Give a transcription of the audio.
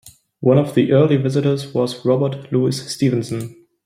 One of the early visitors was Robert Louis Stevenson.